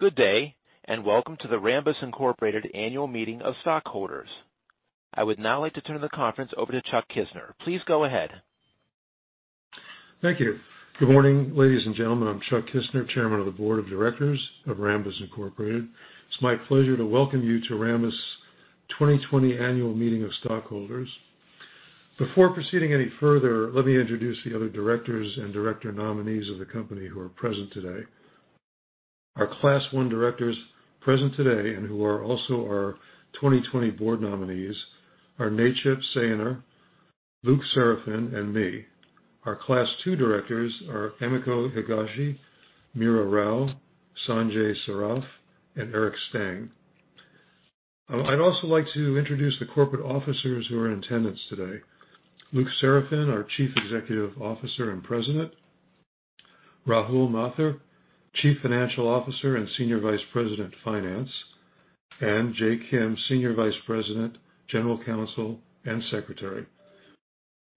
Good day, and welcome to the Rambus Incorporated Annual Meeting of Stockholders. I would now like to turn the conference over to Charles Kissner. Please go ahead. Thank you. Good morning, ladies and gentlemen. I'm Chuck Kissner, Chairman of the Board of Directors of Rambus Incorporated. It's my pleasure to welcome you to Rambus' 2020 Annual Meeting of Stockholders. Before proceeding any further, let me introduce the other directors and director nominees of the company who are present today. Our Class I directors present today and who are also our 2020 board nominees are Necip Sayiner, Luc Seraphin, and me. Our Class II directors are Emiko Higashi, Meera Rao, Sanjay Saraf, and Eric Stang. I'd also like to introduce the corporate officers who are in attendance today. Luc Seraphin, our Chief Executive Officer and President, Rahul Mathur, Chief Financial Officer and Senior Vice President, Finance, and Jae Kim, Senior Vice President, General Counsel and Secretary.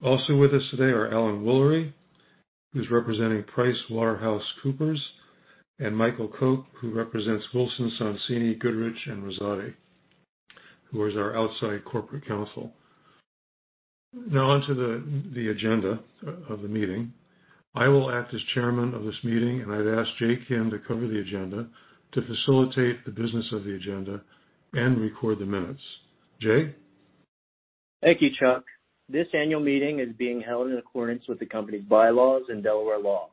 Also with us today are Alan Woolery, who's representing PricewaterhouseCoopers, and Michael Coke, who represents Wilson Sonsini Goodrich & Rosati, who is our outside corporate counsel. Now on to the agenda of the meeting. I will act as chairman of this meeting, and I'd ask Jae Kim to cover the agenda to facilitate the business of the agenda and record the minutes. Jae? Thank you, Chuck. This annual meeting is being held in accordance with the company's bylaws and Delaware law.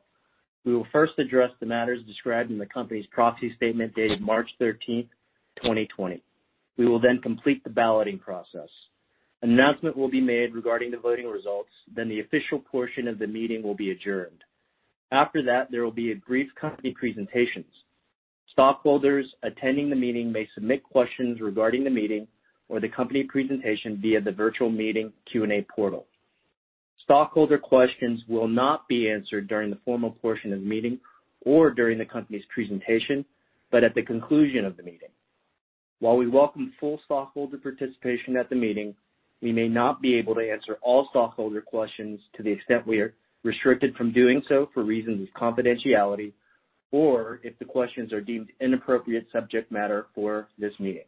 We will first address the matters described in the company's proxy statement dated March 13th, 2020. We will complete the balloting process. An announcement will be made regarding the voting results, then the official portion of the meeting will be adjourned. After that, there will be a brief company presentation. Stockholders attending the meeting may submit questions regarding the meeting or the company presentation via the virtual meeting Q&A portal. Stockholder questions will not be answered during the formal portion of the meeting or during the company's presentation, but at the conclusion of the meeting. While we welcome full stockholder participation at the meeting, we may not be able to answer all stockholder questions to the extent we are restricted from doing so for reasons of confidentiality, or if the questions are deemed inappropriate subject matter for this meeting.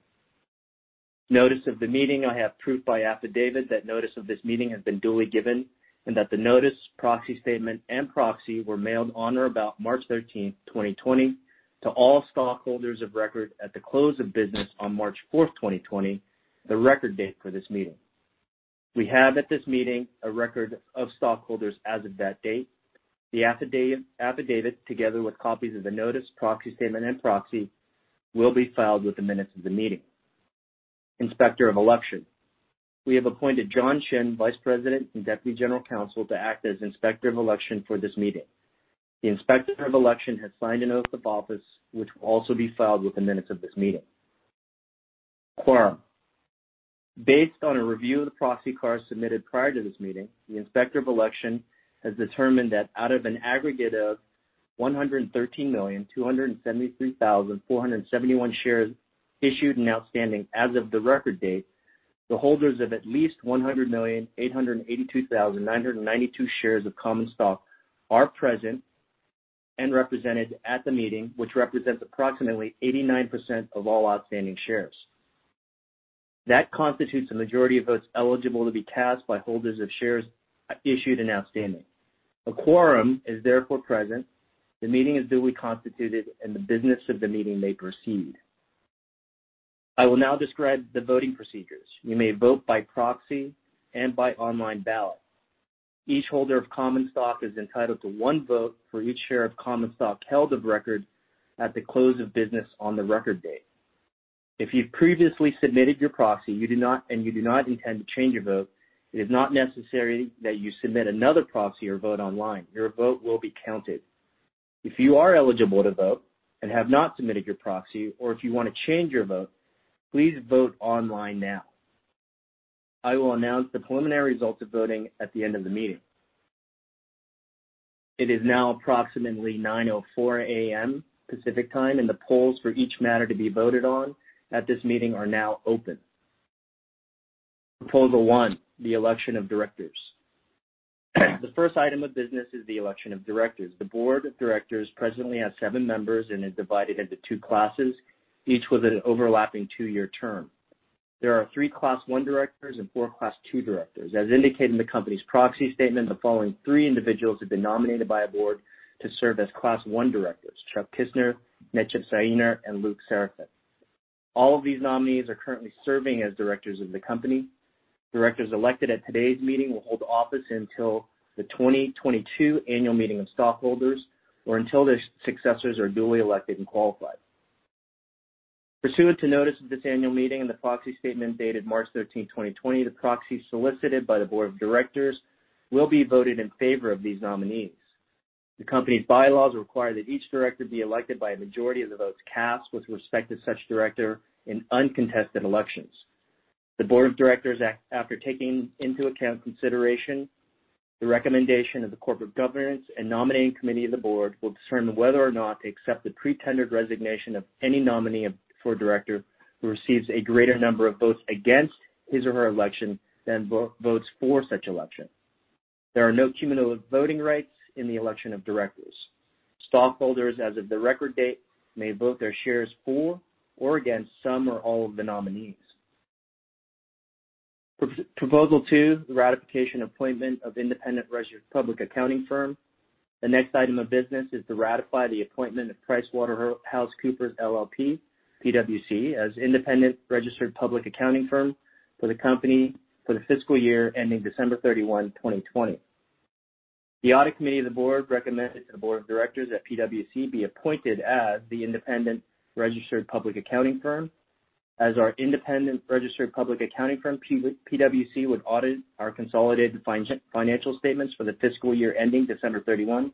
Notice of the meeting, I have proof by affidavit that notice of this meeting has been duly given and that the notice, proxy statement, and proxy were mailed on or about March 13th, 2020 to all stockholders of record at the close of business on March 4th, 2020, the record date for this meeting. We have at this meeting a record of stockholders as of that date. The affidavit, together with copies of the notice, proxy statement, and proxy, will be filed with the minutes of the meeting. Inspector of election. We have appointed John Shinn, Vice President and Deputy General Counsel, to act as Inspector of Election for this meeting. The Inspector of Election has signed an oath of office, which will also be filed with the minutes of this meeting. Quorum. Based on a review of the proxy cards submitted prior to this meeting, the Inspector of Election has determined that out of an aggregate of 113,273,471 shares issued and outstanding as of the record date, the holders of at least 100,882,992 shares of common stock are present and represented at the meeting, which represents approximately 89% of all outstanding shares. That constitutes a majority of votes eligible to be cast by holders of shares issued and outstanding. A quorum is therefore present, the meeting is duly constituted, and the business of the meeting may proceed. I will now describe the voting procedures. You may vote by proxy and by online ballot. Each holder of common stock is entitled to one vote for each share of common stock held of record at the close of business on the record date. If you've previously submitted your proxy and you do not intend to change your vote, it is not necessary that you submit another proxy or vote online. Your vote will be counted. If you are eligible to vote and have not submitted your proxy, or if you want to change your vote, please vote online now. I will announce the preliminary results of voting at the end of the meeting. It is now approximately 9:04 A.M. Pacific Time, and the polls for each matter to be voted on at this meeting are now open. Proposal one, the election of directors. The first item of business is the election of directors. The board of directors presently has seven members and is divided into two classes, each with an overlapping two-year term. There are three Class I directors and four Class II directors. As indicated in the company's proxy statement, the following three individuals have been nominated by a board to serve as Class I directors, Charles Kissner, Necip Sayiner, and Luc Seraphin. All of these nominees are currently serving as directors of the company. Directors elected at today's meeting will hold office until the 2022 annual meeting of stockholders or until their successors are duly elected and qualified. Pursuant to notice of this annual meeting and the proxy statement dated March 13, 2020, the proxy solicited by the board of directors will be voted in favor of these nominees. The company's bylaws require that each director be elected by a majority of the votes cast with respect to such director in uncontested elections. The board of directors, after taking into account consideration the recommendation of the corporate governance and nominating committee of the board, will determine whether or not to accept the pre-tendered resignation of any nominee for director who receives a greater number of votes against his or her election than votes for such election. There are no cumulative voting rights in the election of directors. Stockholders, as of the record date, may vote their shares for or against some or all of the nominees. Proposal two, the ratification appointment of independent registered public accounting firm. The next item of business is to ratify the appointment of PricewaterhouseCoopers LLP, PwC, as independent registered public accounting firm for the company for the fiscal year ending December 31, 2020. The audit committee of the board recommended to the board of directors that PwC be appointed as the independent registered public accounting firm. As our independent registered public accounting firm, PwC would audit our consolidated financial statements for the fiscal year ending December 31,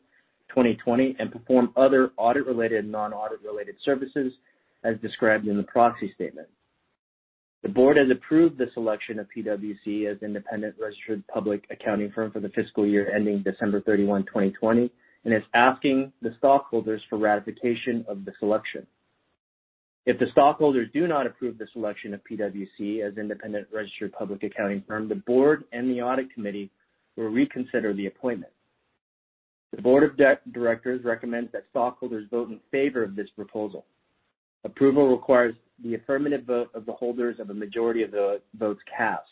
2020, and perform other audit-related and non-audit-related services as described in the proxy statement. The board has approved the selection of PwC as independent registered public accounting firm for the fiscal year ending December 31, 2020, and is asking the stockholders for ratification of the selection. If the stockholders do not approve the selection of PwC as independent registered public accounting firm, the board and the audit committee will reconsider the appointment. The board of directors recommends that stockholders vote in favor of this proposal. Approval requires the affirmative vote of the holders of a majority of the votes cast.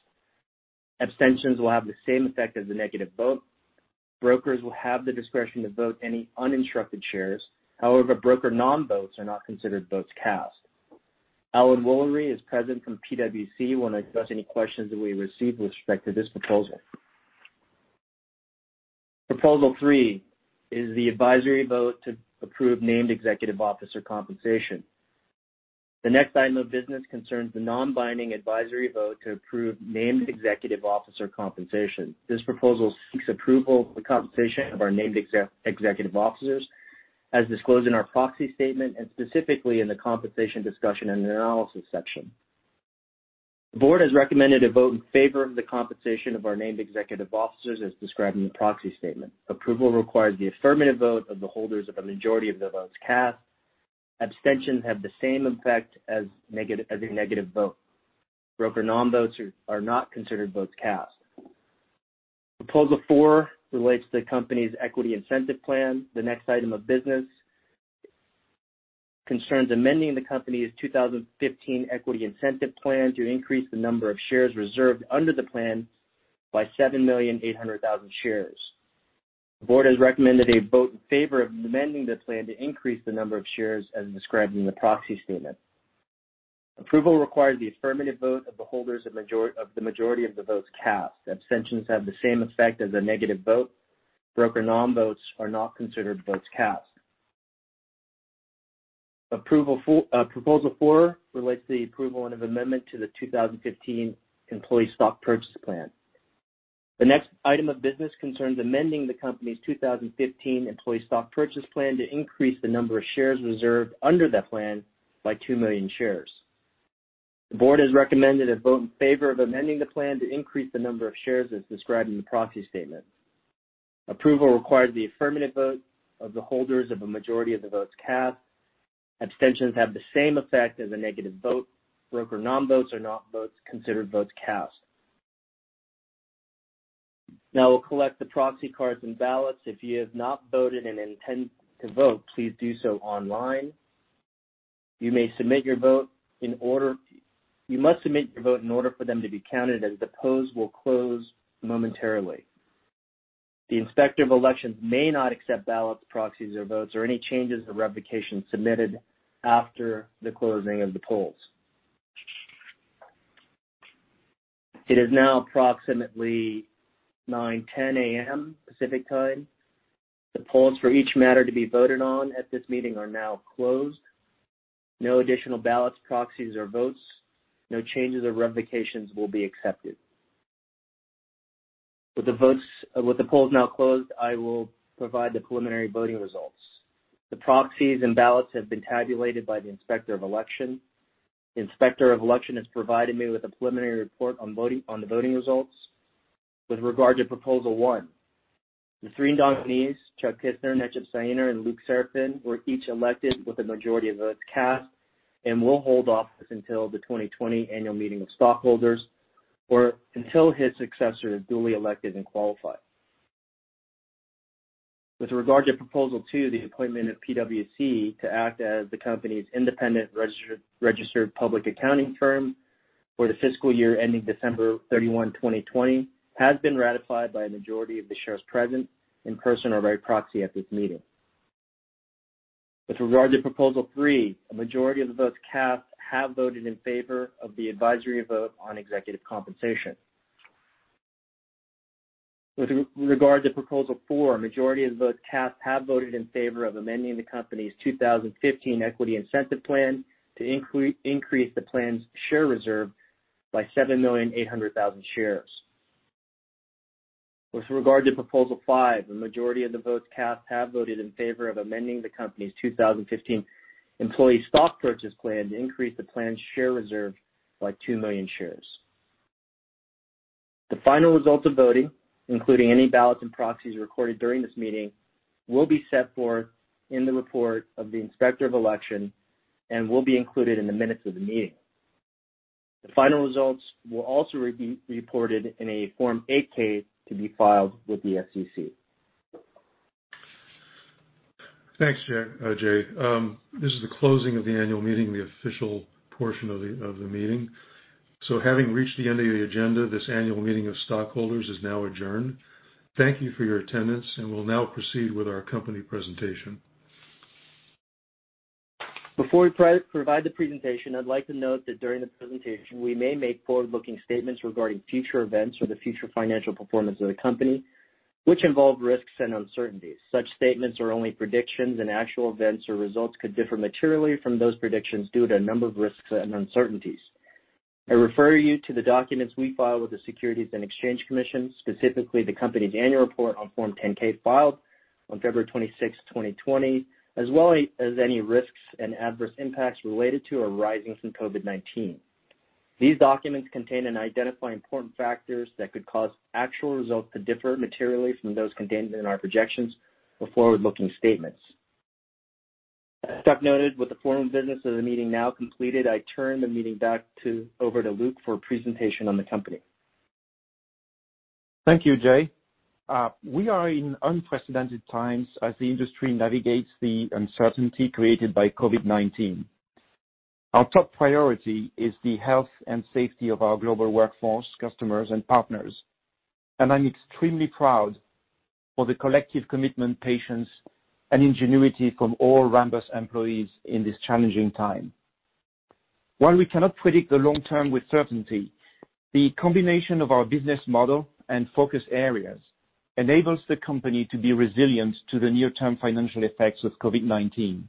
Abstentions will have the same effect as a negative vote. Brokers will have the discretion to vote any uninstructed shares. However, broker non-votes are not considered votes cast. Alan Woolery is present from PwC, will address any questions that we receive with respect to this proposal. Proposal three is the advisory vote to approve named executive officer compensation. The next item of business concerns the non-binding advisory vote to approve named executive officer compensation. This proposal seeks approval for the compensation of our named executive officers as disclosed in our proxy statement and specifically in the compensation discussion and the analysis section. The board has recommended a vote in favor of the compensation of our named executive officers as described in the proxy statement. Approval requires the affirmative vote of the holders of a majority of the votes cast. Abstentions have the same effect as a negative vote. Broker non-votes are not considered votes cast. Proposal four relates to the company's Equity Incentive Plan. The next item of business concerns amending the company's 2015 Equity Incentive Plan to increase the number of shares reserved under the plan by 7,800,000 shares. The board has recommended a vote in favor of amending the plan to increase the number of shares as described in the proxy statement. Approval requires the affirmative vote of the holders of the majority of the votes cast. Abstentions have the same effect as a negative vote. Broker non-votes are not considered votes cast. Proposal four relates to the approval and of amendment to the 2015 Employee Stock Purchase Plan. The next item of business concerns amending the company's 2015 Employee Stock Purchase Plan to increase the number of shares reserved under that plan by 2 million shares. The board has recommended a vote in favor of amending the plan to increase the number of shares as described in the proxy statement. Approval requires the affirmative vote of the holders of a majority of the votes cast. Abstentions have the same effect as a negative vote. Broker non-votes are not votes considered votes cast. Now we'll collect the proxy cards and ballots. If you have not voted and intend to vote, please do so online. You must submit your vote in order for them to be counted, as the polls will close momentarily. The Inspector of Elections may not accept ballots, proxies, or votes or any changes or revocations submitted after the closing of the polls. It is now approximately 9:10 A.M. Pacific Time. The polls for each matter to be voted on at this meeting are now closed. No additional ballots, proxies, or votes, no changes, or revocations will be accepted. With the polls now closed, I will provide the preliminary voting results. The proxies and ballots have been tabulated by the Inspector of Election. The Inspector of Election has provided me with a preliminary report on the voting results. With regard to proposal one, the three nominees, Charles Kissner, Necip Sayiner, and Luc Seraphin, were each elected with a majority of votes cast and will hold office until the 2020 annual meeting of stockholders or until his successor is duly elected and qualified. With regard to proposal two, the appointment of PwC to act as the company's independent registered public accounting firm for the fiscal year ending December 31, 2020, has been ratified by a majority of the shares present in person or by proxy at this meeting. With regard to proposal three, a majority of the votes cast have voted in favor of the advisory vote on executive compensation. With regard to proposal four, a majority of the votes cast have voted in favor of amending the company's 2015 Equity Incentive Plan to increase the plan's share reserve by 7,800,000 shares. With regard to proposal five, a majority of the votes cast have voted in favor of amending the company's 2015 Employee Stock Purchase Plan to increase the plan's share reserve by 2,000,000 shares. The final results of voting, including any ballots and proxies recorded during this meeting, will be set forth in the report of the Inspector of Election and will be included in the minutes of the meeting. The final results will also be reported in a Form 8-K to be filed with the SEC. Thanks, Jae. This is the closing of the annual meeting, the official portion of the meeting. Having reached the end of the agenda, this annual meeting of stockholders is now adjourned. Thank you for your attendance, and we'll now proceed with our company presentation. Before we provide the presentation, I'd like to note that during the presentation, we may make forward-looking statements regarding future events or the future financial performance of the company, which involve risks and uncertainties. Such statements are only predictions, and actual events or results could differ materially from those predictions due to a number of risks and uncertainties. I refer you to the documents we file with the Securities and Exchange Commission, specifically the company's annual report on Form 10-K filed on February 26, 2020, as well as any risks and adverse impacts related to or arising from COVID-19. These documents contain and identify important factors that could cause actual results to differ materially from those contained in our projections for forward-looking statements. As Chuck noted, with the formal business of the meeting now completed, I turn the meeting back over to Luc for a presentation on the company. Thank you, Jae. We are in unprecedented times as the industry navigates the uncertainty created by COVID-19. Our top priority is the health and safety of our global workforce, customers, and partners. I'm extremely proud for the collective commitment, patience, and ingenuity from all Rambus employees in this challenging time. While we cannot predict the long term with certainty, the combination of our business model and focus areas enables the company to be resilient to the near-term financial effects of COVID-19.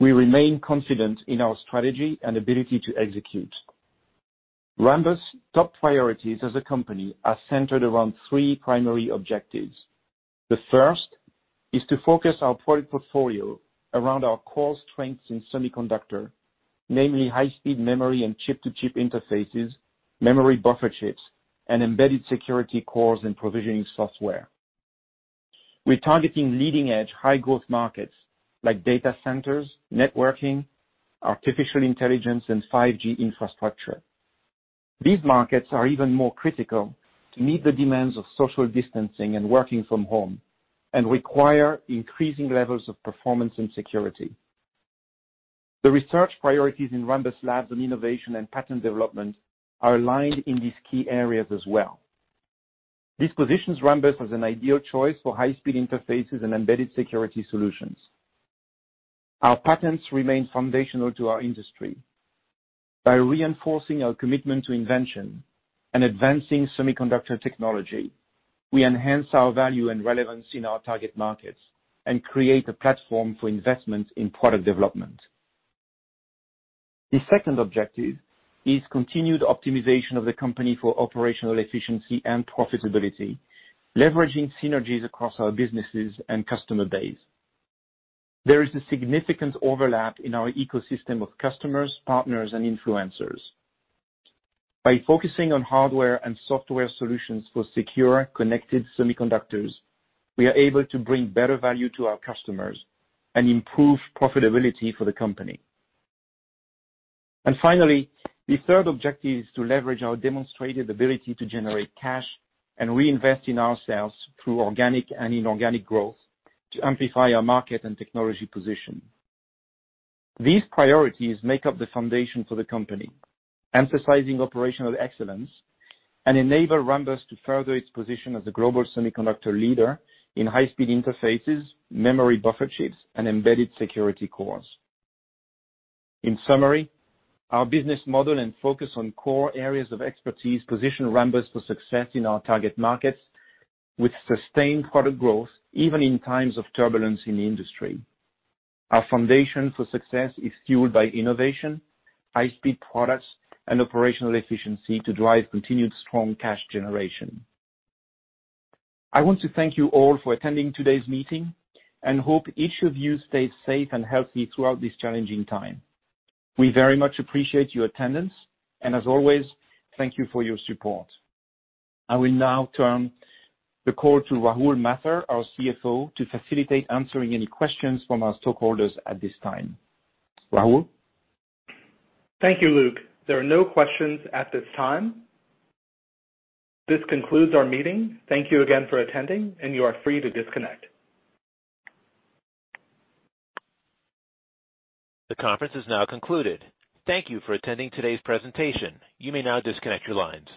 We remain confident in our strategy and ability to execute. Rambus' top priorities as a company are centered around three primary objectives. The first is to focus our product portfolio around our core strengths in semiconductor, namely high-speed memory and chip-to-chip interfaces, memory buffer chips, and embedded security cores and provisioning software. We're targeting leading-edge, high-growth markets like data centers, networking, artificial intelligence, and 5G infrastructure. These markets are even more critical to meet the demands of social distancing and working from home and require increasing levels of performance and security. The research priorities in Rambus Labs on innovation and patent development are aligned in these key areas as well. This positions Rambus as an ideal choice for high-speed interfaces and embedded security solutions. Our patents remain foundational to our industry. By reinforcing our commitment to invention and advancing semiconductor technology, we enhance our value and relevance in our target markets and create a platform for investment in product development. The second objective is continued optimization of the company for operational efficiency and profitability, leveraging synergies across our businesses and customer base. There is a significant overlap in our ecosystem of customers, partners, and influencers. By focusing on hardware and software solutions for secure, connected semiconductors, we are able to bring better value to our customers and improve profitability for the company. Finally, the third objective is to leverage our demonstrated ability to generate cash and reinvest in ourselves through organic and inorganic growth to amplify our market and technology position. These priorities make up the foundation for the company, emphasizing operational excellence and enable Rambus to further its position as a global semiconductor leader in high-speed interfaces, memory buffer chips, and embedded security cores. In summary, our business model and focus on core areas of expertise position Rambus for success in our target markets with sustained product growth, even in times of turbulence in the industry. Our foundation for success is fueled by innovation, high-speed products, and operational efficiency to drive continued strong cash generation. I want to thank you all for attending today's meeting and hope each of you stays safe and healthy throughout this challenging time. We very much appreciate your attendance, and as always, thank you for your support. I will now turn the call to Rahul Mathur, our CFO, to facilitate answering any questions from our stockholders at this time. Rahul? Thank you, Luc. There are no questions at this time. This concludes our meeting. Thank you again for attending, and you are free to disconnect. The conference has now concluded. Thank you for attending today's presentation. You may now disconnect your lines.